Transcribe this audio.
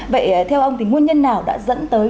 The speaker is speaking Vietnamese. vậy theo ông thì nguyên nhân nào đã dẫn tới